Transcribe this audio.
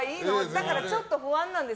だからちょっと不安なんです